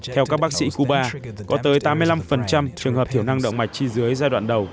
theo các bác sĩ cuba có tới tám mươi năm trường hợp thiểu năng động mạch chi dưới giai đoạn đầu